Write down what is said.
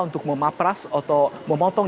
untuk memapras atau memotong